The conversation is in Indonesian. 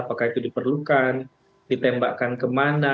apakah itu diperlukan ditembakkan kemana